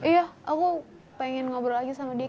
iya aku pengen ngobrol lagi sama die